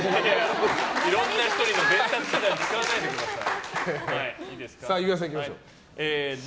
いろんな人への伝達手段に使わないでください。